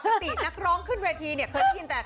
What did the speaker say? นักร้องขึ้นเวทีเนี่ยเคยได้ยินแต่